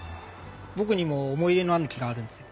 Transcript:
僕にも思い入れのある木があるんですよ。